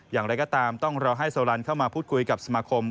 อย่างไรก็ตามต้องรอให้โซลันเข้ามาพูดคุยกับสมาคม